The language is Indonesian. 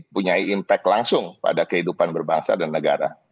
punya impact langsung pada kehidupan berbangsa dan negara